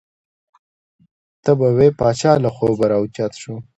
تا به وې پاچا له خوبه را او چت شو.